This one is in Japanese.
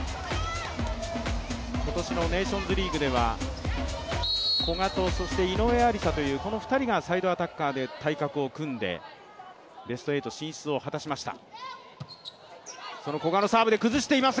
今年のネーションズリーグでは古賀と井上愛里沙というこの２人がサイドアタッカーで対角を組んで、ベスト８進出を果たしました。